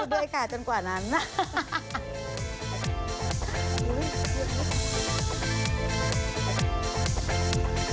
พบกันใหม่เมื่อไหนคะ